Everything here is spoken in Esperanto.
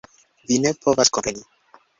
Vi ne povas kompreni.